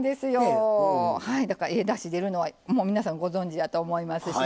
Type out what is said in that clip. だからええだし出るのはもう皆さんご存じやと思いますしね。